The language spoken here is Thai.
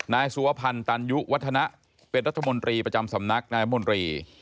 นายสุวพันธ์ตันยุวัฒนะเป็นรัฐมนตรีประจำสำนักนายมนตรี